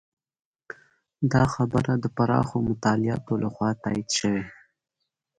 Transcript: دا خبره د پراخو مطالعاتو لخوا تایید شوې.